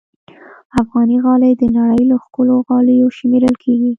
افغاني غالۍ د نړۍ له ښکلو غالیو شمېرل کېږي.